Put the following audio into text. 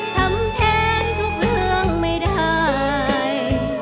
ทำแทนทุกเรื่องไม่ได้